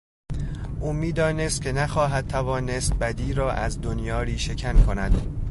او میدانست که نخواهد توانست بدی را از دنیا ریشهکن کند.